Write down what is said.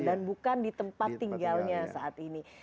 dan bukan di tempat tinggalnya saat ini